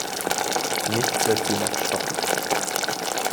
Nichts wird sie noch stoppen.